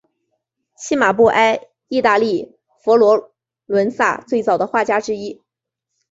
契马布埃意大利佛罗伦萨最早的画家之一。